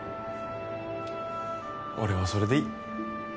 俺はそれでいい。